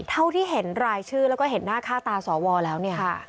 เท่าที่เห็นรายชื่อแล้วก็เห็นหน้าค่าตาสวแล้วเนี่ย